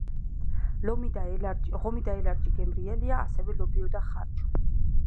ღომი და ელარჯი გერმრიელია ასევე ლობიო და ხარჩო.